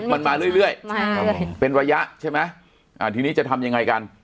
มันมาเรื่อยเป็นระยะใช่ไหมอ่าทีนี้จะทำยังไงกัน